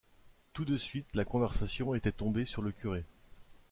Tout de suite, la conversation était tombée sur le curé.